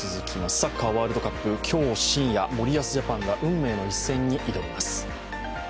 サッカーワールドカップ、今日深夜、森保ジャパンが運命の一戦に挑みます。